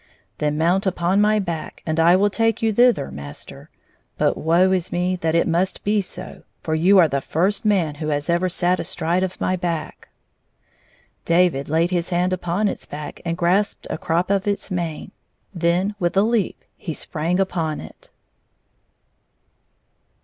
" Then mount upon my back, and I will take you thither, master. But woe is me that it must be so, for you are the first man who has ever sat astride of my back." David laid his hand upon its back and grasped a crop of its mane. Then, with a leap, he sprang upon it.